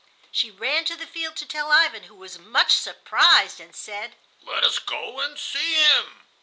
She ran to the field to tell Ivan, who was much surprised, and said, "Let us go and see him."